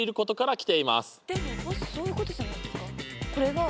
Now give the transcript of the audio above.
でもボスそういうことじゃないですかこれが。